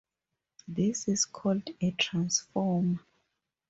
This is called a transformer.